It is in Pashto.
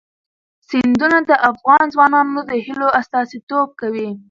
سیندونه د افغان ځوانانو د هیلو استازیتوب کوي.